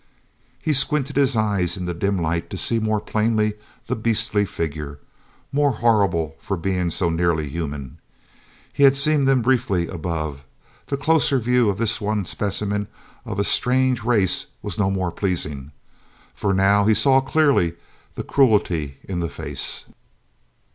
He squinted his eyes in the dim light to see more plainly the beastly figure, more horrible for being so nearly human. He had seen them briefly up above; the closer view of this one specimen of a strange race was no more pleasing. For now he saw clearly the cruelty in the face.